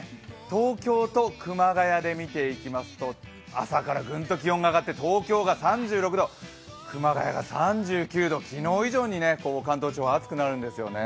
東京と熊谷で見ていきますと、朝からグンと気温が上がって、東京が３６度、熊谷が３９度、昨日以上に関東地方、暑くなるんですよね。